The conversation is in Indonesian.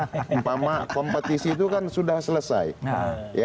karena bagi kami kompetisi itu kan sudah selesai